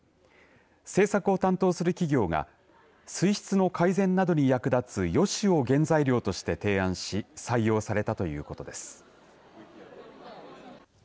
製作を担当する企業が水質の改善などに役立つヨシを原材料として提案し採用されたということです。